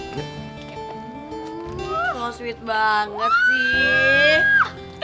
kau sweet banget sih